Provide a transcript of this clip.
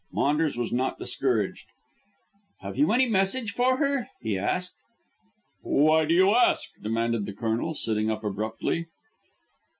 Maunders was not discouraged. "Have you any message for her," he asked. "Why do you ask?" demanded the Colonel, sitting up abruptly.